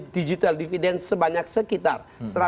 digital dividend sebanyak sekitar